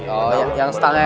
oh yang setang jepit